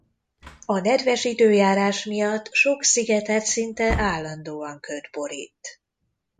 A nedves időjárás miatt sok szigetet szinte állandóan köd borít.